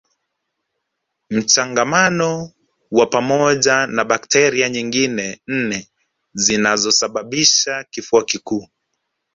Mchangamano wa pamoja na bakteria nyingine nne zinazosababisha kifua kikuu